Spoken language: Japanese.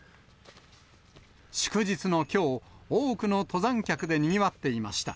祝日のきょう、多くの登山客でにぎわっていました。